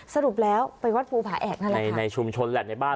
สรุปแล้วไปวัดภูผาแอกนั่นแหละในชุมชนแหละในบ้าน